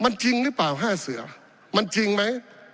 มันจริงหรือเปล่า๕เสือมันจริงไหม